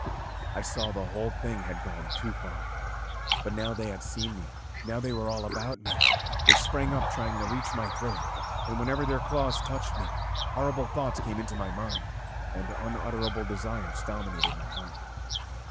I saw that the whole thing had gone too far. But now they had seen me, now they were all about me, they sprang up trying to reach my throat; and whenever their claws touched me, horrible thoughts came into my mind and unutterable desires dominated my heart.